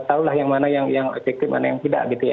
tahulah yang mana yang efektif mana yang tidak gitu ya